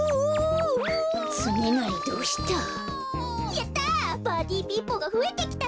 やった！